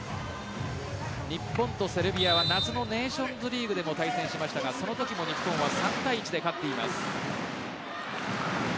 日本とセルビアは夏のネーションズリーグでも対戦しましたがそのときも日本３対１で勝っています。